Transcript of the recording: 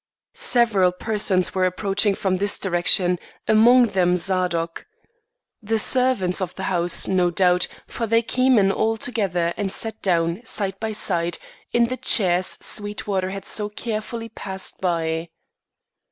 Several persons were approaching from this direction, among them Zadok. The servants of the house, no doubt, for they came in all together and sat down, side by side, in the chairs Sweetwater had so carefully passed by.